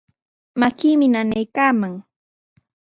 Makiimi nanaykaaman.